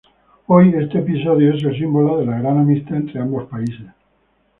Hoy, este episodio es el símbolo de la gran amistad entre ambos países.